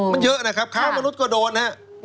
มันเยอะนะครับค้ามนุษย์ก็โดนนะครับ